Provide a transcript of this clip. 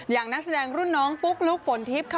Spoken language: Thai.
นักแสดงรุ่นน้องปุ๊กลุ๊กฝนทิพย์ค่ะ